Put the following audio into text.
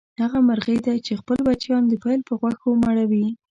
هغه مرغه دی چې خپل بچیان د پیل په غوښو مړوي.